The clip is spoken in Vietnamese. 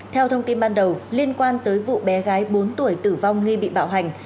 theo thông tin ban đầu liên quan tới vụ bé gái bốn tuổi tử vong nghi bị bạo hành